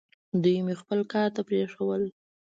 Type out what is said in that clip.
دوی مې خپل کار ته پرېښوول.